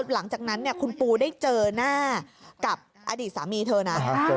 หลังจากนั้นคุณปูได้เจอหน้ากับอดีตสามีเธอนะ